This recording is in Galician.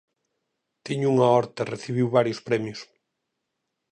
Teño unha horta recibiu varios premios.